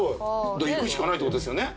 いくしかないってことですよね？